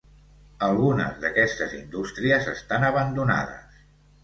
Algunes d'aquestes indústries estan abandonades.